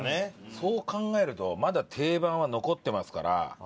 そう考えるとまだ定番は残ってますから。